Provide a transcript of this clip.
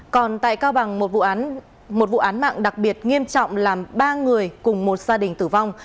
còn tại cao bằng một vụ một vụ án mạng đặc biệt nghiêm trọng làm ba người cùng một gia đình tử vong